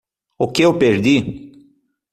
O que eu perdi?